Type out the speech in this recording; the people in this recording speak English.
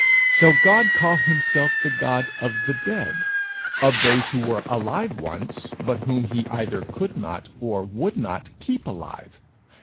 Shall God call himself the God of the dead, of those who were alive once, but whom he either could not or would not keep alive?